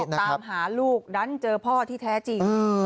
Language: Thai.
ตามหาลูกดันเจอพ่อที่แท้จริง